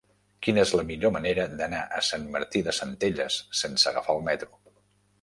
Quina és la millor manera d'anar a Sant Martí de Centelles sense agafar el metro?